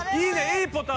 いいポタ。